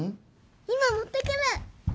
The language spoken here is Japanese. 今持ってくる！